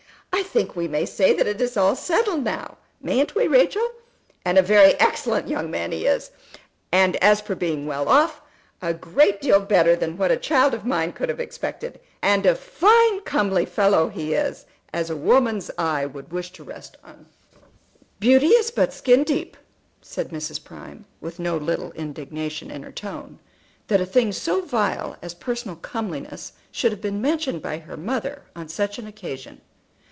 I think we may say that it is all settled now; mayn't we, Rachel? And a very excellent young man he is, and as for being well off, a great deal better than what a child of mine could have expected. And a fine comely fellow he is, as a woman's eye would wish to rest on." "Beauty is but skin deep," said Mrs. Prime, with no little indignation in her tone, that a thing so vile as personal comeliness should have been mentioned by her mother on such an occasion.